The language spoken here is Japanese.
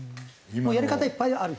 やり方いっぱいある。